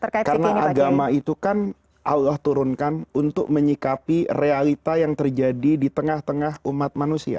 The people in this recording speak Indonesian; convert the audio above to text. karena agama itu kan allah turunkan untuk menyikapi realita yang terjadi di tengah tengah umat manusia